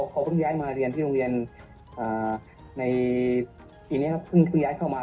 เขาเพิ่งย้ายมาเรียนที่โรงเรียนในปีนี้ครับเพิ่งย้ายเข้ามา